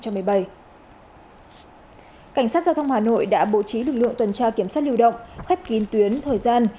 cảnh sát giao thông hà nội đã bố trí lực lượng tuần tra kiểm soát lưu động khép kín tuyến thời gian